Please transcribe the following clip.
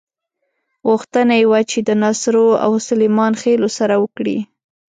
غوښتنه یې وه چې د ناصرو او سلیمان خېلو سوله وکړي.